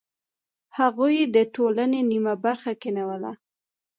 هغوی د ټولنې نیمه برخه کینوله.